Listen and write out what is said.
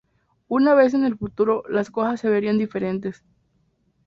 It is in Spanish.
Una vez en el futuro, las cosas se verían diferentes.